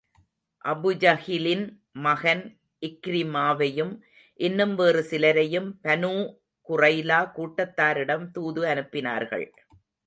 அபுஜஹிலின் மகன் இக்ரிமாவையும் இன்னும் வேறு சிலரையும் பனூ குறைலா கூட்டத்தாரிடம் தூது அனுப்பினார்கள்.